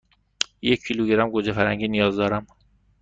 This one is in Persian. یک کیلوگرم گوجه فرنگی نیاز دارم.